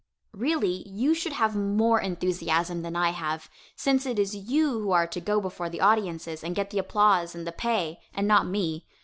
Really, you should have more enthusiasm than I have, since it is you who are to go before the audiences and get the applause and the pay, and not me.